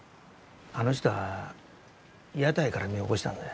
あの人は屋台から身を起こしたんだよ。